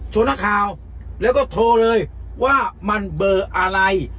นักข่าวแล้วก็โทรเลยว่ามันเบอร์อะไร